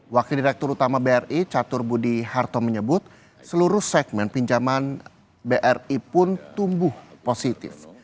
wakil direktur utama bri catur budi harto menyebut seluruh segmen pinjaman bri pun tumbuh positif